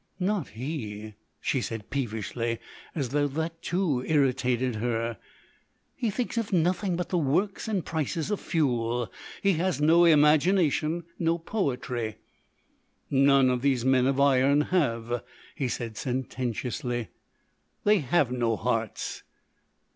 "Not he," she said peevishly, as though that too irritated her. "He thinks of nothing but the works and the prices of fuel. He has no imagination, no poetry." "None of these men of iron have," he said sententiously. "They have no hearts."